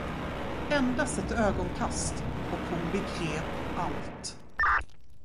Endast ett ögonkast, och hon begrep allt.